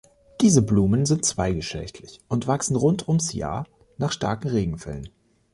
Diese Blumen sind zweigeschlechtlich und wachsen rund ums Jahr nach starken Regenfällen.